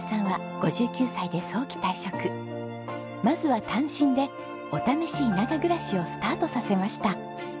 まずは単身でお試し田舎暮らしをスタートさせました。